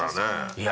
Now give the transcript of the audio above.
いや